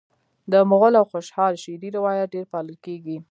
د مغل او خوشحال شعري روایت ډېر پالل کیږي